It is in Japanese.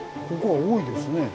ここは多いですね。